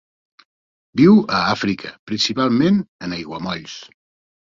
Viu a Àfrica, principalment en aiguamolls.